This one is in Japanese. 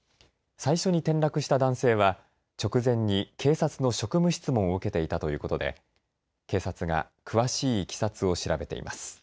最初に転落した男性は直前に警察の職務質問を受けていたということで警察が詳しいいきさつを調べています。